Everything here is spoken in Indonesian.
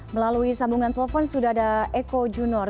melalui sambungan telepon sudah ada eko junor